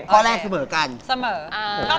ข้อแรกเสมอกัน